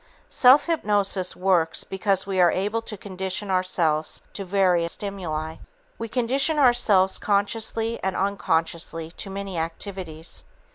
Self hypnosis works because we are able to condition ourselves to various stimuli. We condition ourselves consciously and unconsciously to many activities.